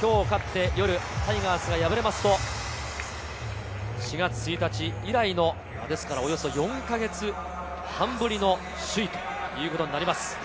今日、勝って、夜にタイガースが敗れると、４月１日以来のおよそ４か月半ぶりの首位ということになります。